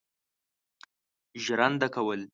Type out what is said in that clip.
ژرنده کول.